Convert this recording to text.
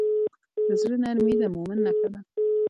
د زړه نرمي د مؤمن نښه ده.